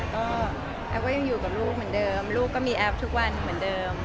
ก็แอฟก็ยังอยู่กับลูกเหมือนเดิมลูกก็มีแอปทุกวันเหมือนเดิม